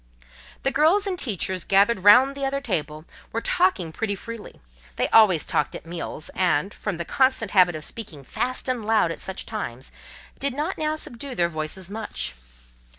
The girls and teachers, gathered round the other table, were talking pretty freely: they always talked at meals; and, from the constant habit of speaking fast and loud at such times, did not now subdue their voices much.